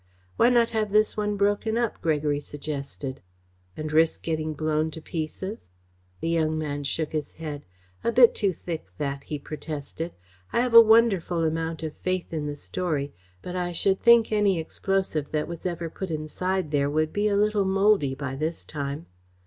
"Why not have this one broken up?" Gregory suggested. "And risk getting blown to pieces?" The young man shook his head. "A bit too thick, that," he protested. "I have a wonderful amount of faith in the story, but I should think any explosive that was ever put inside there would be a little mouldy by this time."